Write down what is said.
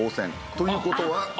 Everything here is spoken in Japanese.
ということは。